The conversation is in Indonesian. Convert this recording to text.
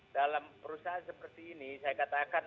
dalam perusahaan seperti ini saya katakan